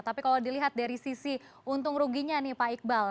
tapi kalau dilihat dari sisi untung ruginya nih pak iqbal